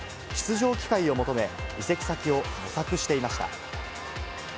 出場機会を求め、移籍先を模索していました。